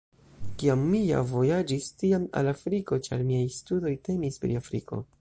Kiam mi ja vojaĝis, tiam al Afriko, ĉar miaj studoj temis pri Afriko.